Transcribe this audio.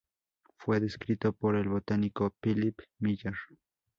Fue descrito por el botánico Philip Miller.